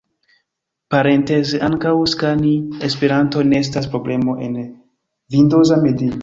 Parenteze, ankaŭ skani Esperanton ne estas problemo en vindoza medio.